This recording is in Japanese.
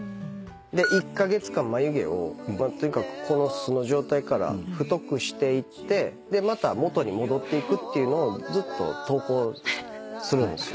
１カ月間眉毛をとにかくこの素の状態から太くしていってまた元に戻っていくっていうのをずっと投稿するんすよ。